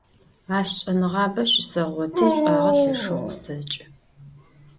Aş ş'enığabe şıseğotı, yiş'uağe lheşşeu khıseç'ı.